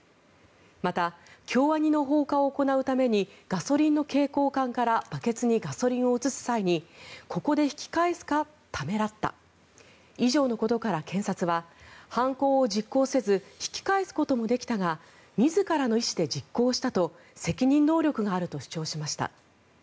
また、京アニの放火を行うためにガソリンの携行缶からバケツにガソリンを移す際にここで引き返すかためらった以上のことから検察は犯行を実行せず引き返すこともできたが自らの意思で実行したと責任能力があると主張しました。